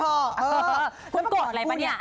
คุณโกรธอะไรป่ะเนี่ย